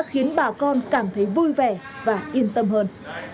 khiến bà con cảm thấy vui vẻ và yên tâm hơn